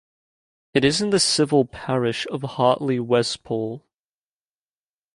It is in the civil parish of Hartley Wespall.